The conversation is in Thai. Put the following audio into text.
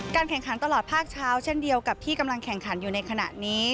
แข่งขันตลอดภาคเช้าเช่นเดียวกับที่กำลังแข่งขันอยู่ในขณะนี้